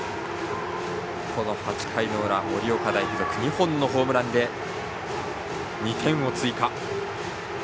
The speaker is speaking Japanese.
８回の裏、盛岡大付属２本のホームランで２点を追加。